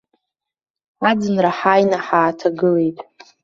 Аӡынра ҳааины ҳааҭагылеит.